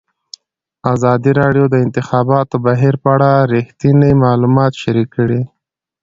ازادي راډیو د د انتخاباتو بهیر په اړه رښتیني معلومات شریک کړي.